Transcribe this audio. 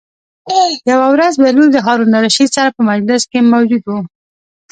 یوه ورځ بهلول د هارون الرشید سره په مجلس کې موجود و.